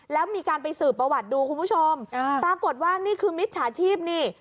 แล้วมีการไปสืบประวัติดูคุณผู้ชมปรากฏว่านี่คือมิจฉาชีพนี่